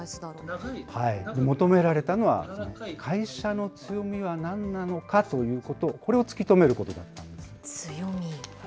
求められたのは、会社の強みはなんなのかということ、これを突き止めることだった強み？